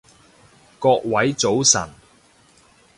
各位早晨